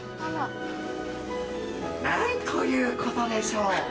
何ということでしょう！